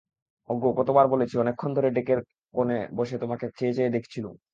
ওগো, কতবার বলেছি– অনেকক্ষণ ধরে ডেকের কোণে বসে তোমাকে চেয়ে চেয়ে দেখছিলুম।